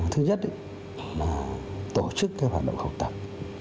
thứ nhất là tổ chức hoạt động học tập